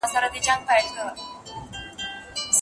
تر څو د استدلال قوت ئې وده وکړي.